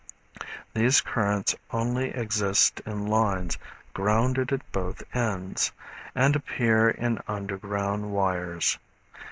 These currents only exist in lines grounded at both ends, and appear in underground wires.